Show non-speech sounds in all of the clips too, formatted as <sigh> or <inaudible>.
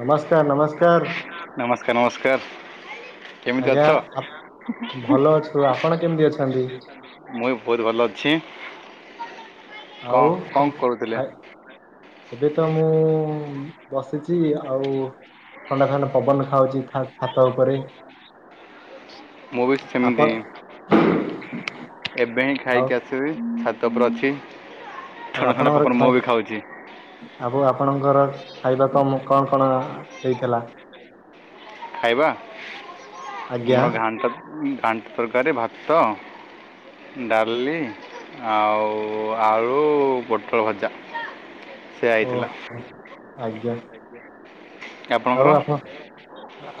ନମସ୍କାର ନମସ୍କାର ନମସ୍କାର ନମସ୍କାର। କେମିତି ଆଜ୍ଞା ଅଛ ଆପ ଭଲ ଅଛୁ ଆପଣ କେମିତି ଅଛନ୍ତି। ମୁଁ ଏ ବି ବହୁତ ଭଲ ଅଛି କଣ ଆଉ କଣ ଖା କରୁଥିଲେ। ଏବେ ତ ମୁଁ ବସିଛି ଆଉ। ଥଣ୍ଡାଥଣ୍ଡା ପବନ ଖାଉଛି ଛାତ ଉପରେ। ମୁଁ ବି ସେମିତି ହିଁ <inaudible> ଏବେ ହିଁ ଆଉ ଖାଇକି ଆସିବି ଛାତ ଉପରେ ଅଛି। ଆଉ ଥଣ୍ଡା ଥଣ୍ଡା ଆପଣଙ୍କର ପବନ ମୁଁ ଖାଏ। ବି ଖାଉଛି ଆବୁ ଆପଣଙ୍କର ଖାଇବା <unintelligible> କ କଣ କଣ ହେଇଥିଲା। ଖାଇବା ଆଜ୍ଞା ଆମର ଘାଣ୍ଟ ଘାଣ୍ଟ ତରକାରୀ ଭାତ। ଡାଲି ଆଉ ଆଳୁ ପୋଟଳଭଜା। ସେଇଆ ହେଇଥିଲା। ଓହୋ ଆଜ୍ଞା ଆପ ଆଉ ଆପଣ।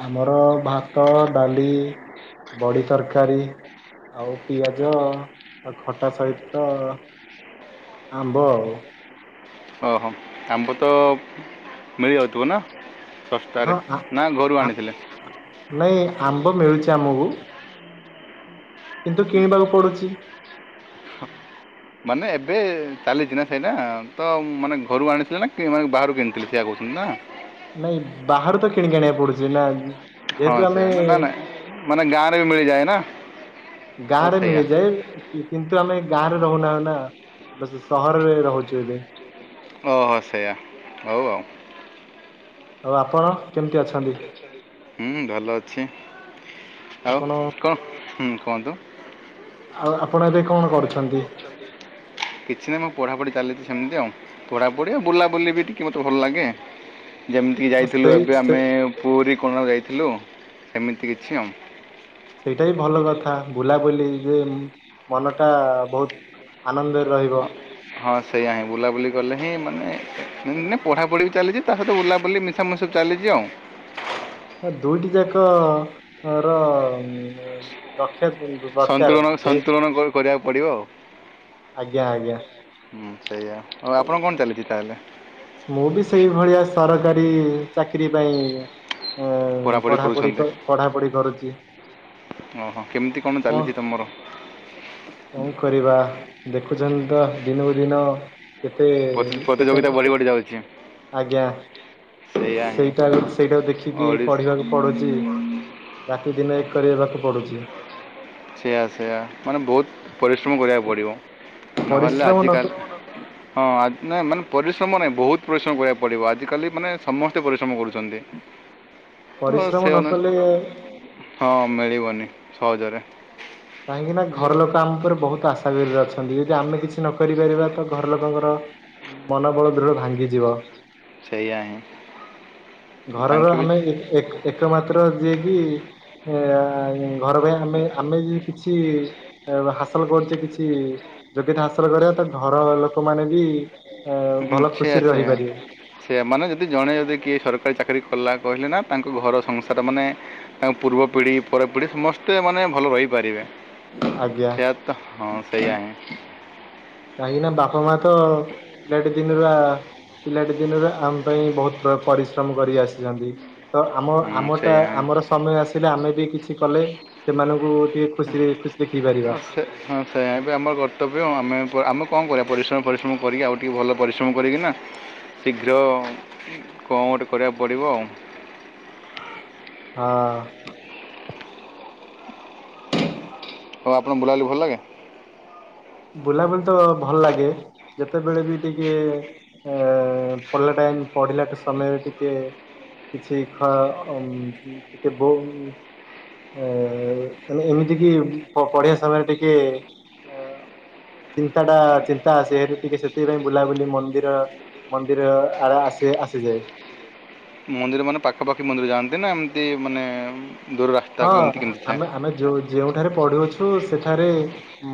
ଆମର ଭାତ ଡାଲି ବଡ଼ି ତରକାରୀ। ଆଉ ପିଆଜ ଆଉ ଖଟା ସହିତ। ଆମ୍ବ ଆଉ ଓହୋ ଆମ୍ବ ତ ମିଳିଯାଉଥିବ ନା। ହଁ ଶସ୍ତାରେ ଆ ନା ଘରୁ ଆମ୍ ଆଣିଥିଲେ। ନାଇଁ ଆମ୍ବ ମିଳୁଛି ଆମକୁ। <inaudible> କିନ୍ତୁ କିଣିବାକୁ ପଡୁଚି। ମାନେ ଏବେ ଚାଲିଚି ନା ସେଇଟା ତ ମାନେ ଘରୁ ଆଣିଥିଲେ ନା କି ମାନେ ବାହାରୁ କିଣିଥିଲେ ସେଇଆ କହୁଚନ୍ତି ନା। ନାଇଁ ବାହାରୁ ତ କିଣି କି ଆଣିବାକୁ ପଡୁଚି ନା। ହଁ ଯେହେତୁ ଆମେ ସେଇଆ ନା ନା ମାନେ ଗାଁରେ ମିଳିଯାଏ ନା। ତ ଗାଁରେ ସେଇଆ ମିଳିଯାଏ। କିନ୍ତୁ ଆମେ ଗାଁରେ ରହୁନା ନା ବ ସହରରେ ରହୁଚୁ ଏବେ। ଓ ହୋ ସେଇଆ ହଉ ଆଉ। ଆଉ ଆପଣ କେମିତି ଅଛନ୍ତି। ହୁଁ ଭଲ ଅଛି ଆଉ ଆପଣ କଣ ହୁଁ କୁହନ୍ତୁ। ଆଉ ଆପଣ ଏବେ କଣ କରୁଛନ୍ତି। କିଛି ନାହିଁ ମୁଁ ପଢ଼ାପଢ଼ି ଚାଲିଛି ସେମିତି ଆଉ ପଢ଼ାପଢ଼ି ଆଉ ବୁଲାବୁଲି ବି ଟିକେ ମୋତେ ଭଲ ଲାଗେ। ଯେମିତିକି ହଁ ଯାଇଥିଲୁ ସେଇ ଏବେ ସେ ଆମେ ପୁରୀ କୋଣାର୍କ ଯାଇଥିଲୁ ସେମିତି କିଛି ଆଉ। ସେଇଟା ବି ଭଲ କଥା ବୁଲାବୁଲି ଯେ ମନଟା ବହୁତ। ଆନନ୍ଦରେ ରହିବ ହଁ ସେଇୟା ହିଁ ବୁଲାବୁଲି କଲେ ହିଁ ମାନେ ନାଇଁ, ପଢାପଢି ବି ଚାଲିଚି ତା ସହିତ ବୁଲାବୁଲି ମୀ। ସମୟ ସବୁ ଚାଲିଛି ଆଉ ହ ଦୁଇଟି ଯାକ ର ରକ୍ଷା କରୁ ସନ୍ତୁଳନ ସନ୍ତୁଳନ କରିବାକୁ ପଡ଼ିବ ଆଉ। ଆଜ୍ଞା ଆଜ୍ଞା ହୁଁ ସେଇଆ ଆଉ ଆପଣ କଣ ଚାଲିଚି ତା ହେଲେ? ମୁଁ ବି ସେଇ ଭଳିଆ ସରକାରୀ ଚାକିରୀ ପାଇଁ ପଢ଼ାପଢ଼ି ପଢାପଢି କରୁଛନ୍ତି ପଢା ପଢି କରୁଚି। ଓହୋ କେମିତି କଣ ଚାଲିଚି ତମର? କଣ କରିବା ଦେଖୁଛନ୍ତି ତ ଦିନକୁ ଦିନ କେତେ ପ୍ରତି- କେତେ ପ୍ରତିଯୋଗିତା <unintelligible> ଆଜ୍ଞା ସେଇଆ ହିଁ ସେଇଟା ସେଇଟା ଦେଖିକି ଓଡ଼ିଶା ପଢିବାକୁ ପଡୁଚି। ରାତିଦିନ ଏକ କରିବାକୁ ପଡ଼ୁଛି। ସେଇୟା ସେୟା ମାନେ ବହୁତ ପରିଶ୍ରମ କରିବାକୁ ପଡିବ ନହେଲେ ପରିଶ୍ରମ ନ ଆଜିିକାଲି। ହଁ, ନାଇଁ ମାନେ ପରିଶ୍ରମ ନାହିଁ ବହୁତ ପରିଶ୍ରମ କରିବାକୁ ପଡିବ ଆଜିକାଲି ମାନେ ସମସ୍ତେ ପରିଶ୍ରମ କରୁଛନ୍ତି। ତ ପରିଶ୍ରମ ସେ ନ କଲେ <unintelligible> ହଁ ମିଳିବନି ସହଜରେ। କାହିଁକି ନା ଘର ଲୋକ ଆମ ଉପରେ ବହୁତ ଆସେ <unintelligible> ଅଛନ୍ତି ଯଦି ଆମେ କିଛି ନ କରିପାରିବା ତ ଘର ଲୋକଙ୍କର ମନୋବଳ ଦୃଢ ଭାଙ୍ଗିଯିବ। ସେଇୟା ହିଁ। ଘରର ତାଙ୍କେ ବି ଆମେ ଏକ ଏ-କ ଏକମାତ୍ର ଯିଏକି <inaudible> ଘର ପାଇଁ ଆମେ ଆମେ ଯ କିଛି ହାସଲ କରୁଛି, କିଛି ଯୋଗ୍ୟତା ହାସଲ କରିବା। ତ ଘର ଲୋକ ମାନେ ବି ଭଲ ଖୁସିରେ ରହିପାରିବା। ସେ ମାନେ ଯଦି ଜଣେ ଯଦି କିଏ ସରକାରୀ ଚାକିରୀ କଲା କହିଲେ ନା ତାଙ୍କ ଘର ସଂସାର ମାନେ ତାଙ୍କ ପୂର୍ବ ପିଢି, ପର ପିଢି ସମସ୍ତେ ମାନେ ଭଲ ରହିପାରିବେ। ଆଜ୍ଞା। ସେୟା ହଁ ସେଇୟା ହିଁ। କାହିଁକି ନା ବାପା ମା ତ ଦେଢ ଦିନରୁ ଆ ପିଲାଟି ଦିନରୁ ଆମ ପାଇଁ ବହୁତ ପରିଶ୍ରମ କରି ଆସିଛନ୍ତି। ତ ଆମ ହୁଁ ଆମଟା ସେଇଆ ହିଁ ଆମର ସମୟ ଆସିଲେ ଆମେ ବି କିଛି କଲେ। ସେମାନଙ୍କୁ ଟିକେ ଖୁସିରେ ଖୁସି ଦେଖି ପାରିବା। ହଁ ସେ ହଁ, ସେଇ ବି ଆମର କର୍ତ୍ତବ୍ୟ ଆମେ ଆମେ କଣ କରିବା? ପରିଶ୍ରମ ପରିଶ୍ରମ କରିକି ଆଉ ଟିକେ ଭଲ ପରିଶ୍ରମ କରିକିନା ଶୀଘ୍ର କଣ ଗୋଟେ କରିବାକୁ ପଡ଼ିବ ଆଉ? ହଁ। ହଉ ଆପଣଙ୍କୁ ବୁଲା ବୁଲି ଭଲ ଲାଗେ? ବୁଲାବୁଲି ତ ଭଲ ଲାଗେ ଯେତେବେଳେ ବି ଟିକେ ଏ ପଢିଲା ଟାଇମ୍ ପଢିଲାଟା ସମୟରେ ଟିକେ କିଛି ଖ ଉ ଟିକେ <unintelligible> <inaudible> ଏମିତିକି ପଢ଼ିବା ସମୟରେ ଟିକେ। ଚିନ୍ତାଟା ଚିନ୍ତା ସେରି ଟିକେ ସେଥିପାଇଁ ବୁଲାବୁଲି ମନ୍ଦିର ମନ୍ଦିର ଆଡେ ଆସି ଆସିଯାଏ। ମନ୍ଦିର ମାନେ ପାଖାପାଖି ମନ୍ଦିର ଯାଆନ୍ତି ନା ଏମିତି ମାନେ ଦୂର ହଁ ରାସ୍ତାକୁ ଏମିତି କେମିତି ଥାଏ ଆମେ ଆମେ ଯୋଉ ଯେଉଠାରେ ପଢୁ ଅଛୁ ସେଠାରେ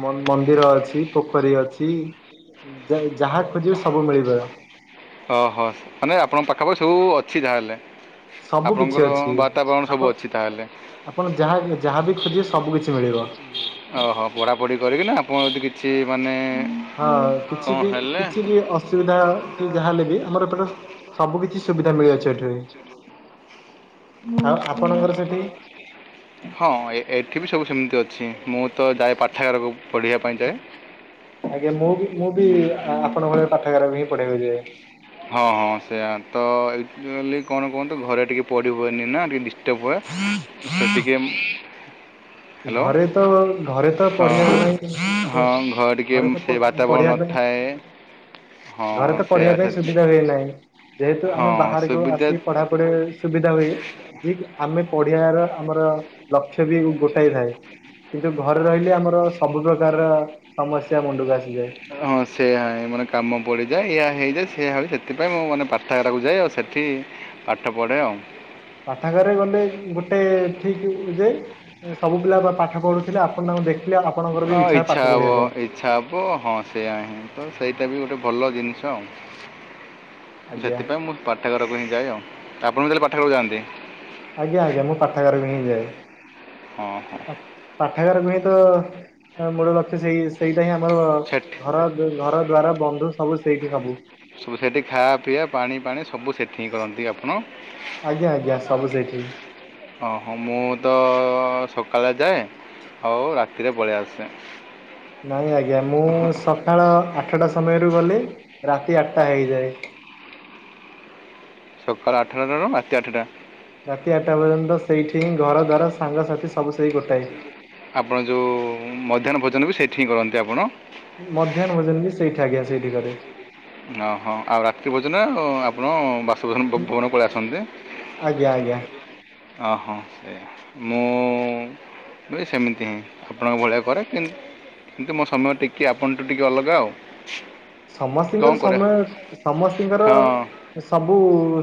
ମନ୍ଦିର ଅଛି, ପୋଖରୀ ଅଛି। ଦେନ ଯାହା ଖୋଜିବୁ ସବୁ ମିଳିବ। ଓହୋ। ମାନେ ଆପଣଙ୍କ ପାଖାପାଖି ସବୁ ଅଛି ଯାହାହେଲେ। ସବୁ କିଛି ଆପଣଙ୍କର ଅଛି ବାର୍ତ୍ତାବରଣ ଆପଣ ସବୁ ଅଛି ତାହେଲେ? ଆପଣ ଯାହା ଯାହାବି ଖୋଜିବେ ସବୁ କିଛି ମିଳିବ। ଓହୋ! ପଢାପଢି କରିକିନା ଆପଣ ଯଦି କିଛି ମାନେ ହଁ, କିଛି କଣ ବି - ହେଲେ କିଛି ବି ଅ ଅସୁବିଧା କି ଯାହା ହେଲେ ବି ଆମର ଏପଟରେ ସବୁ କିଛି ସୁବିଧା ମିଳିଅଛି ଏଠି। ଆଉ ଆପଣଙ୍କର ସେଠି ହଁ, ଏ ଏଠି ବି ସବୁ ସେମିତି ଅଛି। ମୁଁ ତ ଯାଏ ପାଠାଗାରକୁ ପଢ଼ିବା ପାଇଁ ଯାଏ। ଆଜ୍ଞା, ମୁଁ ବି - ମୁଁ ବି ଆ ଆପଣଙ୍କ ଭଳି ପାଠାଗାରାକୁ ହିଁ ପଢିବାକୁ ଯାଏ। ହଁ - ହଁ, ସେଇଆତ <unintelligible> କଣ କୁହନ୍ତୁ ଘରେ ଟିକେ ପଢ଼ି ହୁଏନି ନା ଟିକେ ଡି <unintelligible> ଘରେ ତ ଘରେ ତ ହଁ ପଢ଼ିବା ପାଇଁ ହଁ <inaudible> ଟିକେ ଘରେ ତ ସେ ପ ବାତାବରଣ ପଢିବା ପାଇଁ ନଥାଏ ହଁ <inaudible> ଘରେ ତ ପଢିବା ସେୟା ପାଇଁ ସେ ସୁବିଧା ହୁଏ ନାହିଁ। ଯେହେତୁ ଆମେ ହଁ ବାହାରକୁ ସୁବିଧା ଆସିକି ପଢା ପଢି ସୁବିଧା ହୁଏ। ଯେ କି ଆମେ ପଢିବାର ଆମର ଲକ୍ଷ୍ୟ ବି ଗୋ ଟା ଇଥାଏ। କିନ୍ତୁ, ଘରେ ରହିଲେ ଆମର ସବୁ ପ୍ରକାରର ସମସ୍ୟା ମୁଣ୍ଡକୁ ଆସିଯାଏ। ହଁ ସେଇୟା ହିଁ ମାନେ କାମ ପଡ଼ିଯାଏ, ଏୟା ହେଇଯାଏ, ସେୟା ହଏ ସେଥିପାଇଁ ମୁଁ ମାନେ ପାଠାଗାରାକୁ ଯାଏ ଆଉ ସେଠି ପାଠ ପଢେ ଆଉ। ପାଠାଗାରେ ଗଲେ ଗୋଟେ ଠିକ ଉ ଯେ ସବୁ ପିଲା ପା ପାଠ ପଢୁଥିଲେ ଆପଣ ତାଙ୍କୁ ଦେଖିଲେ ଆପଣଙ୍କର ବି ଇଚ୍ଛା ହବ ପାଠ ପଢିବା ପାଇଁ। ଇଛା ହବ ହଁ ସେଇୟା ହିଁ ତ ସେଇଟା ବି ଗୋଟେ ଭଲ ଜିନିଷ ଆଉ ଆଜ୍ଞା ସେଥିପାଇଁ ମୁଁ ପାଠାଗାରକୁ ହିଁ ଯାଏ ଆଉ ଆପଣ ତାହେଲେ ପାଠାଗାର କୁ ଯାଆନ୍ତି? ଆଜ୍ଞା ଆଜ୍ଞା ମୁଁ ପାଠାଗାର କୁ ହିଁ ଯାଏ। ହଁ ହଁ। ପାଠାଗାରକୁୁ ହିଁ ତ ତ ମୂଳ ଲକ୍ଷ୍ୟ ସେଇ ସେଇଟା ହିଁ ଆମର ସେଠି ଘର ଦୁ ଘର ଦ୍ୱାର ବନ୍ଧୁ ସବୁ ସେଇଠି ସବୁ। ସବ ସେଠି ଖା ପିଆ ପାଣି ପାଣି ସବୁ ସେଠି ହିଁ କରନ୍ତି ଆପଣ? ଆଜ୍ଞା ଆଜ୍ଞା ସବୁ ସେଇଠି। ଅଁ ହଁ ମୁଁ ତ ଅ ସକାଳେ ଯାଏ, ଆଉ ରାତିରେ ପଳେ ଆସେ। ନାଇଁ ଆଜ୍ଞା ମୁଁ ସକାଳ ଆଠଟା ସମୟରୁ ଗଲି ରାତି ଆଟଟା ହେଇଯାଏ। ସକାଳ ଆଠଟାଟାରୁ ରାତି ଆଠଟା। ରାତି ଆଠଟା ପର୍ଯ୍ୟନ୍ତ ସେଇଠି ହିଁ ଘର ଦ୍ୱାର ସାଙ୍ଗସାଥି ସବୁ ସେହି ଗୋଟାଏ। ଆପଣ ଯୋଉ ମଧ୍ୟାହ୍ନ ଭୋଜନ ବି ସେଇଠି ହିଁ କରନ୍ତି ଆପଣ? ମଧ୍ୟାହ୍ନ ଭୋଜନ ବି ସେଇଠି ଆଜ୍ଞା ସେଇଠିି କରେ। ଓ ହଁ ଆଉ ରାତ୍ରି ଭୋଜନ ଆଉ ଆପଣ ବାସ ଭ ଭବନ ପଳେଇ ଆସନ୍ତି? ଆଜ୍ଞା ଆଜ୍ଞା। ଓ ହଁ ସେୟା ମୁଁ ସେମିତି ହିଁ ଆପଣଙ୍କ ଭଳିଆ କରେ କିନ୍ କିନ୍ତୁ ମୋ ସମୟ ଟିକେ ଆପଣଠୁ ଟିକି ଅଲଗା ଆଉ। କ'ଣ ସମସ୍ତିଙ୍କର କରିବା ସମୟ ସମସ୍ତିଙ୍କର ହଁ ସବୁ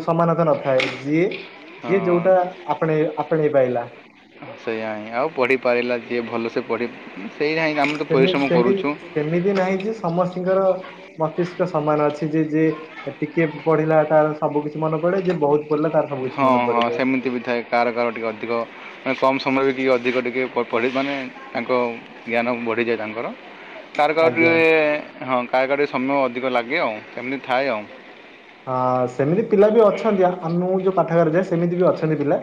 ସମାନତା ନଥାଏ ଯିଏ ଯିଏ ଯୋଉଟା ହଁ ଆପଣେଇ ଆପଣେଇ ପାଇଲା। ସେଇଆ ହିଁ ଆଉ ପଢି ପାରିଲା ଯିଏ ଭଲସେ ପଢି ସେୟାହିଁ ଆମ ସେମି ସେମି ସେମିତି ନାହିଁ ଯେ ସମସ୍ତିଙ୍କର ମତିଷ୍କ ସମାନ ଅଛି ଯେ ଯେ ଟିକେ ପଢିଲା ତାର ସବୁ କିଛି ମନ ପଡେ ଯେ ବହୁତ ପଢିଲା ତାର ସବୁ କିଛି ହଁ ମନେ ହଁ ପଡିଯାଏ। ସେମିତି ବି ଥାଏ କାର କାର ଟିକେ ଅଧିକ ମାନେ କମ୍ ସମୟରେ କି ଅଧିକ ଟିକେ ପ ପଢ଼ି ମାନେ ତାଙ୍କ ଜ୍ଞାନ ବଢ଼ିଯାଏ ତାଙ୍କର। କାର କାର ଟି ଆଜ୍ଞା ଏ ହଁ କାର କାର ସମୟ ଅଧିକ ଲାଗେ ଆଉ ସେମିତି ଥାଏ ଆଉ। ହଁ ସେମିତି ପିଲା ବି ଅଛନ୍ତି ଆ ମୁଁ ଯୋଉ ପାଠାଗରେ ଯାଏ ସେମିତି ବି ଅଛନ୍ତି ପିଲା।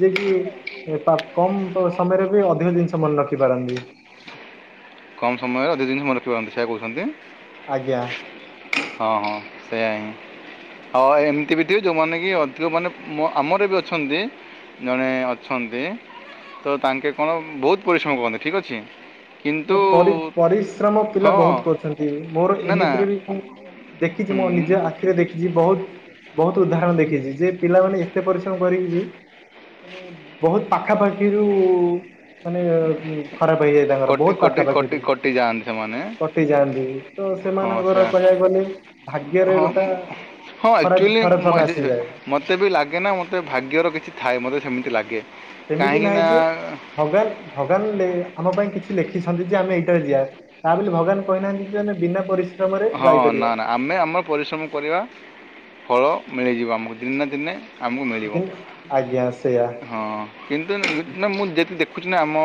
ଯିଏ କି ତ କମ ସମୟରେ ବି ଅଧିକ ଜିନିଷ ମନେ ରଖି ପାରନ୍ତି। କମ ସମୟରେ ଅଧିକ ଦିନି ମନରଖିପାରନ୍ତି ସେୟା କହୁଛନ୍ତି? ଆଜ୍ଞା। ହଁ ହଁ ସେୟା ହିଁ। ଆଉ ଏମିତି ବି ଥିବେ ଯୋଉମାନେ କି ଅଧିକ ମାନେ ମ ଆମର ବି ଅଛନ୍ତି ଜଣେ ଅଛନ୍ତି ତ ତାଙ୍କେ କଣ ବହୁତ ପରିଶ୍ରମ କରନ୍ତି ଠିକ୍ ଅଛି। କିନ୍ତୁ ପରି ପରିଶ୍ରମ ପିଲା ହଁ ବହୁତ କରୁଛନ୍ତି ମୋର ନା ନା ଏମିତିରେ ବି ମୁଁ ଦେଖିଛି ମୋ ନିଜେ ହୁଁ ଆଖି ରେ ଦେଖିଛି ବହୁତ ବହୁତ ଉଦାହରଣ ଦେଖିଛି ଯେ ପିଲାମାନେ ଏତେ ପରିଶ୍ରମ କରିକି ବି ମାନେ ବହୁତ ପାଖାପାଖିରୁ ମାନେ ଖରାପ ହେଇଯାଏ ତାଙ୍କର। କଟି ବହୁତ କଟି ପାଖା କଟି ପାଖିରୁ କଟି ଯାଆନ୍ତି ସେମାନେ କଟି ଯାଆନ୍ତି ତ ହଁ ସେମାନଙ୍କର ସେୟା କହିବାକୁ ଗଲେ ଭାଗ୍ୟରେ ହଁ ଗୋଟା ହଁ ଖରାପ ଆକ୍ଚୁଆଲି ଖରାପ ସମୟ ମହେ ଆସିଯାଏ ମୋତେ ବି ଲାଗେ ନା ମୋତେ ଭାଗ୍ୟର କିଛି ଥାଏ ମୋତେ ସେମିତି ଲାଗେ। ସେମିତି କାହିଁକି ନାହିଁ ନା ଯେ ଭଗାନ ଭଗବାନ ଆମ ପାଇଁ କିଛି ଲେଖିଛନ୍ତି ଯେ ଆମେ ଏଇଟାରେ ଯିଆ ତା ବୋଲି ଭଗବାନ କହିନାହାନ୍ତି ଯେ ଆମେ ବିନା ପରି ହଁ ନା ନା ଆମେ ଆମର ପରିଶ୍ରମ କରିବା ଫଳ ମିଳିଯିବ ଆମକୁ ଦିନେ ନା ଦିନେ ଆମକୁ ମିଳିବ ଆଜ୍ଞା ସେଇଆ। ହଁ। କିନ୍ତୁ ନା ମୁଁ ଦେଖୁ ଦେଖୁଛି ନା ଆମ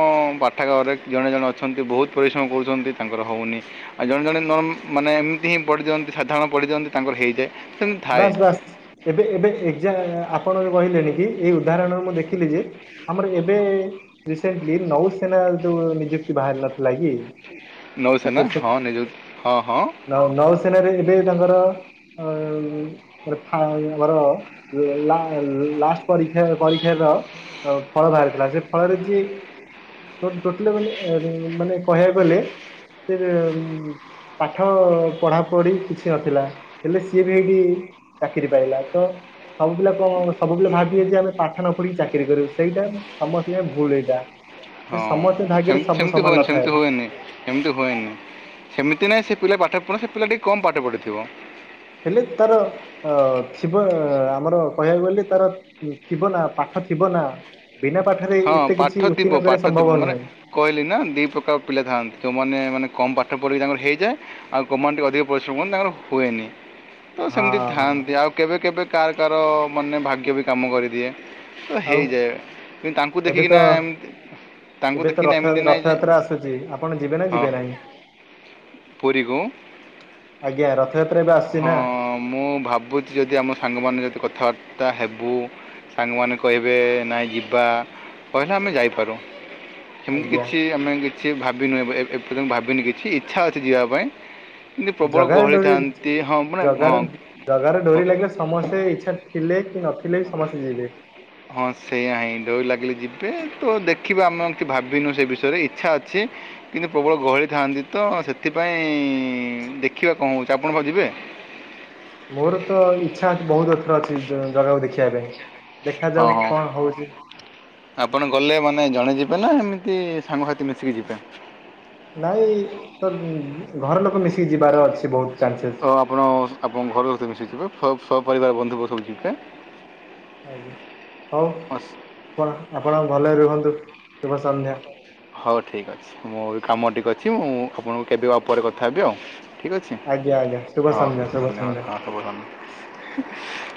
ପାଠାଗାରେ ଜଣେ ଜଣେ ଅଛନ୍ତି ବହୁତ ପରିଶ୍ରମ କରୁଛନ୍ତି ତାଙ୍କର ହଉନି ଆଉ ଜଣେ ଜଣେ ନର୍ ମାନେ ଏମିତି ହିଁ ପଢିଦିଅନ୍ତି ସାଧାରଣ ପଢିଦିଅନ୍ତି ତାଙ୍କର ହେଇଯାଏ ସେମିତି ଥାଏ ବାସ୍ ବାସ୍ ଏବେ ଏବେ ଏକଯା ଆପଣ କହିଲେନି କି ଏଇ ଉଦାହରଣରେ ମୁଁ ଦେଖିଲି ଯେ ଆମର ଏବେ ରିସେଣ୍ଟଲି ନୌସେନା ଯୋଉ ନିଯୁକ୍ତି ବାହାରିଲା ନଉସେନା ହଁ ନିଜୁ ହଁ ହଁ ନ ନୌସେନାରେ ଏବେ ତାଙ୍କର ଅ ଫା ଆମର ଲା ଲାଷ୍ଟ ପରୀକ୍ଷା ପରୀକ୍ଷାର ଅ ଫଳ ବାହାରିଥିଲା ସେ ଫଳରେ ଯିଏ <unintelligible> ମାନେ ମାନେ କହିବାକୁ ଗଲେ ସେ ପାଠ ପଢାପଢି କିଛି ନଥିଲା ହେଲେ ସିଏ ବି ହେଇଠି ଚାକିରି ପାଇଲା ତ ସବୁ ପିଲା କ ସବୁ ପିଲା ଭାବିବେ ଯେ ଆମେ ପାଠ ନ ପଢିକି ଚାକିରି କରିବୁ ସେଇଟା ସମସ୍ତଙ୍କ ଭୁଲ ଏଇଟା। ଯେ ହଁ ସମସ୍ତେ ଭାଗ୍ୟରେ ସେମତି ସବୁ ସେମିତି ସମାନ ହୁଏନି ନଥାଏ ସେମିତି ହୁଏନି। ସେମିତି ହୁଏନି ସେମିତି ନାହିଁ ସେ ପିଲା ପାଠ ପଢ଼ ସେ ପିଲାଟି କମ୍ ପାଠ ପଢ଼ିଥିବ ହେଲେ ତାର ଅ ଥିବ ଆମର କହିବାକୁ ଗଲେ ତାର ଥିବ ନା ପାଠ ଥିବ ନା ବିନା ପାଠରେ ହଁ ଏତେ ପାଠ କିଛି ଥିବ ଉତ୍ତୀର୍ଣ ପାଠ ଥିବ ସମ୍ଭବ ମାନେ ନୁହେଁ। କହିଲି ନା ଦୁଇ ପ୍ରକାର ପିଲା ଥାଆନ୍ତି ଯେଉଁମାନେ ମାନେ କମ୍ ପାଠ ପଢ଼ିକି ତାଙ୍କର ହେଇଯାଏ ଆଉ କଉମାନେ ଟିକେ ଅଧିକ ପରିଶ୍ରମ କରନ୍ତି ତାଙ୍କର ହୁଏନି। ତ ହଁ ସେମିତି ହଁ ଥାଆନ୍ତି ଆଉ କେବେ କେବେ କାର କାର ମାନେ ଭାଗ୍ୟ ବି କାମ କରିଦିଏ। ତ ଆଉ ହେଇଯାଏ କିନ୍ତୁ ତାଙ୍କୁ ଏବେ ଦେଖିକିନା ତ ଏମତି ଏବେ ତ ରଥ ରଥଯାତ୍ରା ଆସୁଛି ଆପଣ ଯିବେ ନା ହଁ ଯିବେ ନାହିଁ? ପୁରୀକୁ? ଆଜ୍ଞା ରଥଯାତ୍ରା ଏବେ ଆସୁ ହଁ ମୁଁ ଭାବୁଛି ଯଦି ଆମ ସାଙ୍ଗମାନେ ଯଦି କଥାବାର୍ତ୍ତା ହେବୁ ସାଙ୍ଗମାନେ କହିବେ ନାଇଁ ଯିବା କହିଲେ ଆମେ ଯାଇପାରୁ। ସେମିତି ଆଜ୍ଞା କିଛି ଆମେ କିଛି ଭାବିନୁ <unintelligible> ଏବେ ଏ ଏପର୍ଯ୍ୟନ୍ତ ଭାବିନୁ କିଛି ଇଚ୍ଛା ଅଛି ଯିବା ପାଇଁ କିନ୍ଦି ପ୍ରବଳ ଜଗାର ଗହଳି ଡୋରି ଥାଆନ୍ତି ହଁ ମାନେ ହଁ ଜଗାର ଜଗାର ହଁ ଡୋରି ଲାଗିଲେ ସମସ୍ତେ ଇଚ୍ଛା ଥିଲେ କି ନଥିଲେ ବି ସମସ୍ତେ ଯିବେ। ହଁ ସେଇଆ ହିଁ ଡୋରି ଲାଗିଲେ ଯିବେ ତ ଦେଖିବା ଆମେ ଏମିତି ଭାବିନୁ ସେ ବିଷୟରେ ଇଚ୍ଛା ଅଛି। କିନ୍ତୁ ପ୍ରବଳ ଗହଳି ଥାଆନ୍ତି ତ ସେଥିପାଇଁ ଦେଖିବା କଣ ହଉଛି ଆପଣ କଣ ଯିବେ? ମୋର ତ ଇଚ୍ଛା ବହୁତ ଏଥର ଅଛି ଜ ଜାଗାକୁ ଦେଖିବା ପାଇଁ। ହଁ ଦେଖାଯାଉ ହଁ କଣ ହଉଛି। ଆପଣ ଗଲେ ମାନେ ଜଣେ ଯିବେ ନା ଏମିତି ସାଙ୍ଗସାଥି ମିଶିକି ଯିବେ? ନାଇଁ ତ ଘର ଲୋକ ମିଶିକି ଯିବାର ଅଛି ବହୁତ ଚାନ୍ସେସ୍। ତ ଆପଣ ଆପଣଙ୍କ ଘର ସହି ମିଶିଯିବେ ସ -ସ ପରିବାର ବନ୍ଧୁ ସବୁ ଯିବେ। ଆଜ୍ଞା ହଉ। ହସ୍ ଆପଣ ଆପଣ ଭଲରେ ରୁହନ୍ତୁ ଶୁଭ ସନ୍ଧ୍ୟା। ହଉ ଠିକ୍ ଅଛି ମୁଁ କାମ ଟିକେ ଅଛି ମୁଁ ଆପଣଙ୍କୁ କେବେ ବା ପରେ କଥା ହେବି ଆଉ। ଠିକ୍ ଅଛି ଆଜ୍ଞା ଆଜ୍ଞା ଶୁଭ ହଁ ସନ୍ଧ୍ୟା ଶୁଭ ଧନ୍ୟବାଦ ସନ୍ଧ୍ୟା। ହଁ ହେବ <unintelligible>